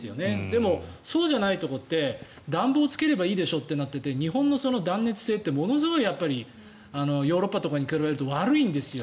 でも、そうじゃないところって暖房をつければいいでしょってなってて日本の断熱性ってものすごいヨーロッパとかに比べると悪いんですよ。